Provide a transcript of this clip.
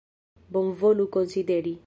Bonvolu konsideri.